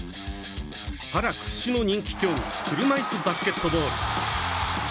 パラ屈指の人気競技車いすバスケットボール。